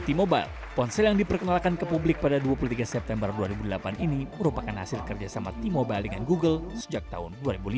t mobile ponsel yang diperkenalkan ke publik pada dua puluh tiga september dua ribu delapan ini merupakan hasil kerjasama t mobile dengan google sejak tahun dua ribu lima